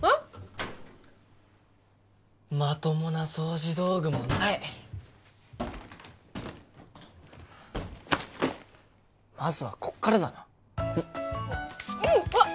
まともな掃除道具もないまずはこっからだなうわっ！